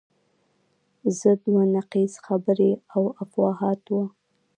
ضد و نقیض خبرې او افواهات وو.